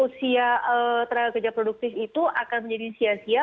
usia teragak terja produktif itu akan menjadi sia sia